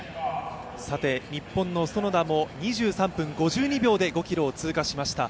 日本の園田も２３分５２秒で５ｋｍを通過しました。